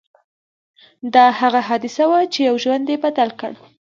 دا هغه حادثه وه چې يو ژوند يې بدل کړ.